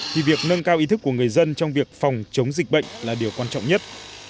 thì việc nâng cao ý thức của người dân trong việc phòng chống dịch bệnh là điều quan trọng nhất